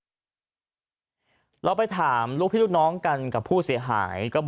สุดท้ายตัดสินใจเดินทางไปร้องทุกข์การถูกกระทำชำระวจริงและตอนนี้ก็มีภาวะซึมเศร้าด้วยนะครับ